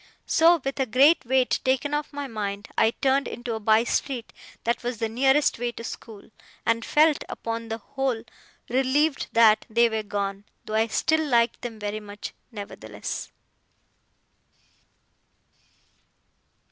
So, with a great weight taken off my mind, I turned into a by street that was the nearest way to school, and felt, upon the whole, relieved that they were gone; though I still liked them very much, nevertheless.